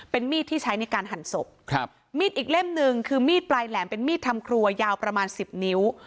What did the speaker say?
มีดที่ใช้ในการหั่นศพครับมีดอีกเล่มหนึ่งคือมีดปลายแหลมเป็นมีดทำครัวยาวประมาณสิบนิ้ว